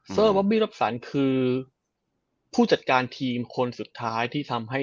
สเตอร์บอบบี้รับสรรค์คือผู้จัดการทีมคนสุดท้ายที่ทำให้